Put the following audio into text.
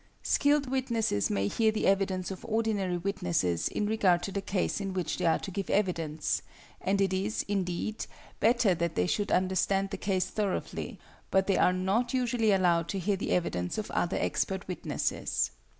Skilled witnesses may hear the evidence of ordinary witnesses in regard to the case in which they are to give evidence, and it is, indeed, better that they should understand the case thoroughly, but they are not usually allowed to hear the evidence of other expert witnesses.